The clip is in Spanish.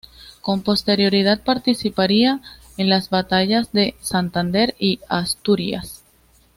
Con posterioridad participaría en las batallas de Santander y Asturias.